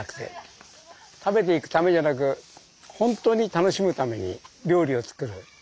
食べていくためじゃなく本当に楽しむために料理を作る。